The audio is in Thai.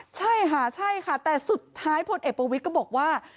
ใช่ค่ะแต่สุดท้ายพลเอ็ดโปวิทย์ก็บอกว่า